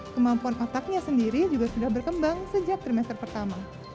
kemampuan otaknya sendiri juga sudah berkembang sejak trimester pertama